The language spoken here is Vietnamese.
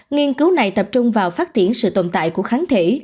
nghiên cứu này tập trung vào phát triển sự tồn tại của kháng thể